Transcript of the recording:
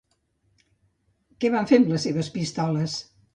Què van fer amb les seves pistoles?